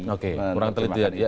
oke kurang teliti ya